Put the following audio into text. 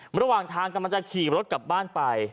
ระหว่างทางกำลังจะขี่รถกลับบ้านไป